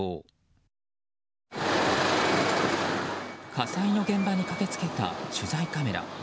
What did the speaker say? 火災の現場に駆け付けた取材カメラ。